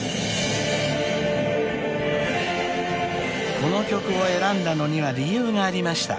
［この曲を選んだのには理由がありました］